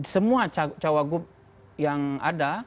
semua cowok gub yang ada